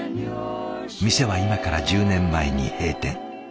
店は今から１０年前に閉店。